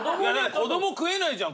子供食えないじゃん